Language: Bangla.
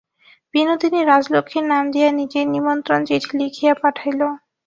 বিনোদিনী রাজলক্ষ্মীর নাম দিয়া নিজেই নিমন্ত্রণ-চিঠি লিখিয়া পাঠাইল।